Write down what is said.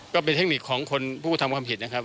ก็เป็นเทคนิคของคนผู้ทำความผิดนะครับ